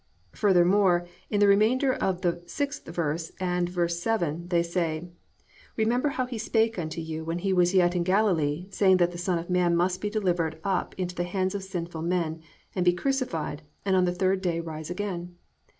Furthermore, in the remainder of the 6th verse and verse 7, they say: +"Remember how he spake unto you when he was yet in Galilee, saying that the Son of Man must be delivered up into the hands of sinful men, and be crucified, and the third day rise again."